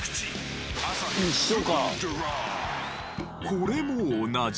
これも同じ。